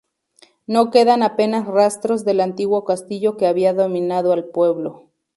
No quedan apenas rastros del antiguo castillo que había dominado el pueblo.